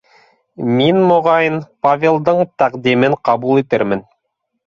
Мин, моғайын, Павелдың тәҡдимен ҡабул итермен.